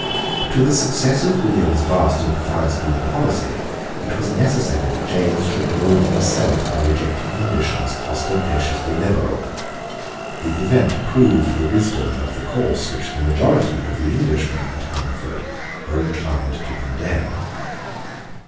To the success of William's vast and profound scheme of policy it was necessary that James should ruin himself by rejecting conditions ostentatiously liberal. The event proved the wisdom of the course which the majority of the Englishmen at Hungerford were inclined to condemn.